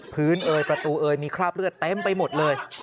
เอยประตูเอยมีคราบเลือดเต็มไปหมดเลย